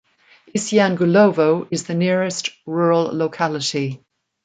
Isyangulovo is the nearest rural locality.